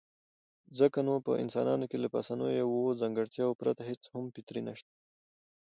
ځکه نو په انسانانو کې له پاسنيو اووو ځانګړنو پرته هېڅ هم فطري نشته.